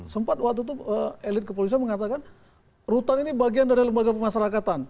sempat waktu itu elit kepolisian mengatakan rutan ini bagian dari lembaga pemasarakatan